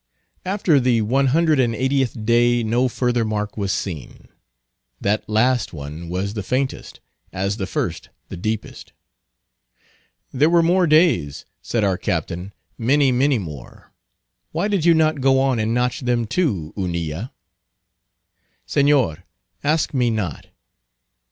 After the one hundred and eightieth day no further mark was seen; that last one was the faintest, as the first the deepest. "There were more days," said our Captain; "many, many more; why did you not go on and notch them, too, Hunilla?" "Señor, ask me not."